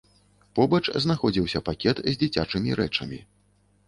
Побач знаходзіўся пакет з дзіцячымі рэчамі.